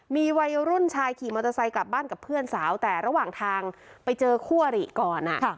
มีวัยรุ่นชายขี่มอเตอร์ไซค์กลับบ้านกับเพื่อนสาวแต่ระหว่างทางไปเจอคู่อริก่อน